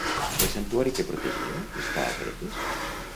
El santuari que protegia està a Cretes?